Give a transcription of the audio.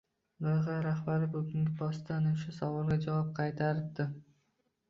Loyiha rahbari bugungi postida ana shu savollarga javob qaytiribdi.